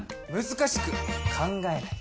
難しく考えない。